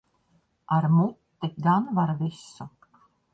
Ar muti gan var visu.